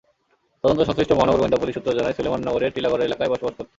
তদন্তসংশ্লিষ্ট মহানগর গোয়েন্দা পুলিশ সূত্র জানায়, সুলেমান নগরের টিলাগড় এলাকায় বসবাস করতেন।